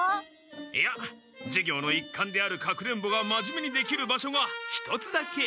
いや授業の一環である隠れんぼが真面目にできる場所が一つだけある。